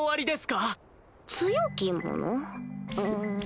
うん